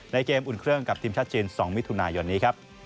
ในเกมอุ่นเครื่องกับทีมจัดจิน๒มิถุนายวันนี้